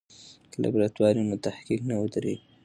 که لابراتوار وي نو تحقیق نه ودریږي.